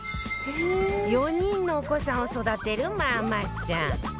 ４人のお子さんを育てるママさん